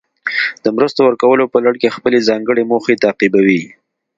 د مرستو ورکولو په لړ کې خپلې ځانګړې موخې تعقیبوي.